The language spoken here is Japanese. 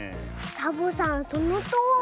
サボさんそのとおり！